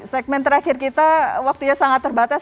segmen terakhir kita waktunya sangat terbatas